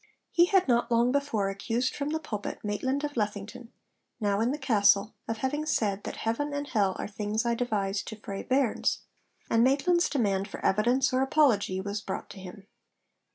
He had not long before accused from the pulpit Maitland of Lethington, now in the Castle, of having said that 'Heaven and hell are things I devised to fray bairns;' and Maitland's demand for evidence or apology was brought to him.